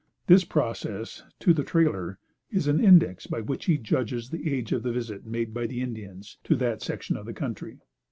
This process, to the trailer, is an index by which he judges the age of the visit made by the Indians, to that section of country.